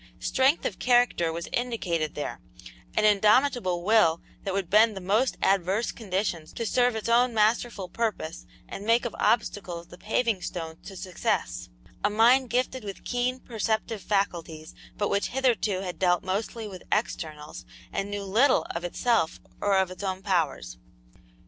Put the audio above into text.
Strength of character was indicated there; an indomitable will that would bend the most adverse conditions to serve its own masterful purpose and make of obstacles the paving stones to success; a mind gifted with keen perceptive faculties, but which hitherto had dealt mostly with externals and knew little of itself or of its own powers.